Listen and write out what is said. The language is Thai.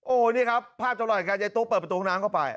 โอ้โหนี่ครับภาพเจ้าหน่อยกันยายตุ๊กเปิดประตูห้องน้ำเข้าไป